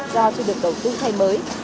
do chưa được đầu tư thay mới